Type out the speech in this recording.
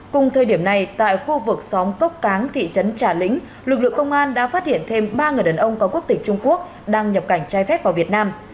cùng thời điểm này tại khu vực xóm cốc cáng thị trấn trà lĩnh lực lượng công an đã phát hiện thêm ba người đàn ông có quốc tịch trung quốc đang nhập cảnh trai phép vào việt nam